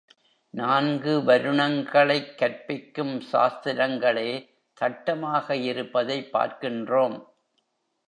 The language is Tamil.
நான்கு வருணங்களைக் கற்பிக்கும் சாஸ்திரங்களே சட்டமாக இருப்பதைப் பார்க்கின்றோம்.